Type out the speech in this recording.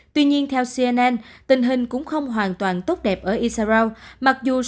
tuy nhiên theo cnn tình hình cũng không hoàn toàn tốt đẹp ở israel